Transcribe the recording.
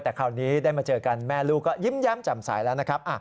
แต่คราวนี้ได้มาเจอกันแม่ลูกก็ยิ้มแย้มแจ่มใสแล้วนะครับ